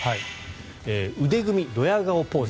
腕組みドヤ顔ポーズ。